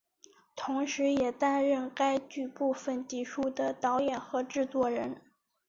同时也担任该剧部分集数的导演和制作人。